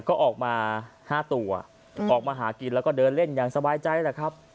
ก็ออกมา๕ตัวออกมาหากินแล้วก็เดินเล่นอย่างสบายใจแหละครับ